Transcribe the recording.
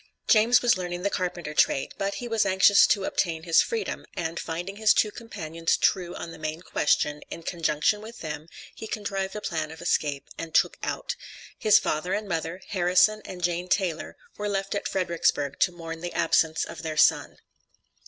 James was learning the carpenter trade; but he was anxious to obtain his freedom, and finding his two companions true on the main question, in conjunction with them he contrived a plan of escape, and 'took out.' His father and mother, Harrison and Jane Taylor, were left at Fredericksburg to mourn the absence of their son.